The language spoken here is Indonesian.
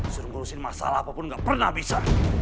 suruh ngurusin masalah apapun nggak pernah bisa